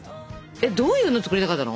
どういうのを作りたかったの？